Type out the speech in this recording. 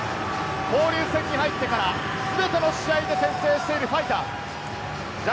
交流戦に入ってからすべての試合で先制しているファイターズ。